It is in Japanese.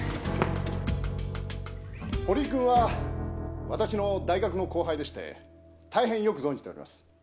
堀井君はわたしの大学の後輩でして大変よく存じております。